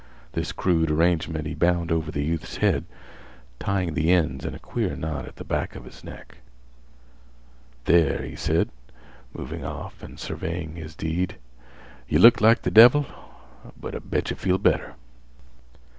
This crude arrangement he bound over the youth's head, tying the ends in a queer knot at the back of the neck. "There," he said, moving off and surveying his deed, "yeh look like th' devil, but I bet yeh feel better."